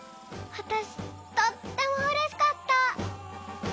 わたしとってもうれしかった。